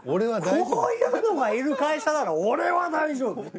こういうのがいる会社なら俺は大丈夫！